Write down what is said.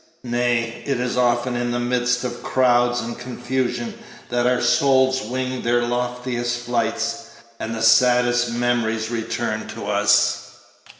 Nay, it is often in the midst of crowds and confusion that our souls wing their loftiest flights, and the saddest memories return to us.